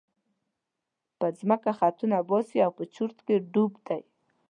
په ځمکه خطونه باسي او په چورت کې ډوب دی.